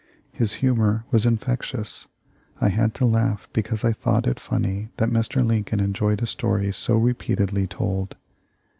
His humor was infectious. I had to laugh because I thought it funny that Mr. Lincoln enjoyed a story so repeatedly told.